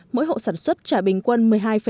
mỗi hộ sản xuất trả bình quân